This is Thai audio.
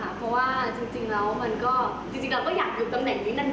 เพราะว่าจริงแล้วมันก็จริงเราก็อยากดูตำแหน่งนี้นาน